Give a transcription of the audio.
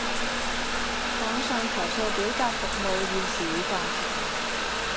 網上投訴表格服務現時已暫停